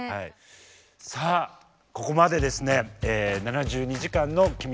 さあここまでですね「７２時間」の「君の声が聴きたい」